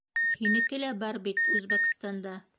Һинеке лә бар бит Үзбәкстанда.